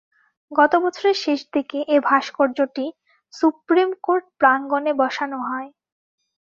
গত বছরের শেষ দিকে এ ভাস্কর্যটি সুপ্রিম কোর্ট প্রাঙ্গণে বসানো হয়।